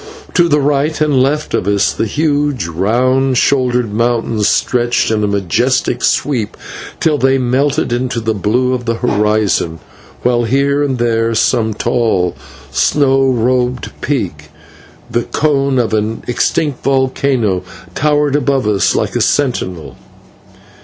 To the right and left of us the huge, round shouldered mountains stretched in a majestic sweep till they melted into the blue of the horizon, while here and there some tall, snow robed peak, the cone of an extinct volcano, towered above us like a sentinel.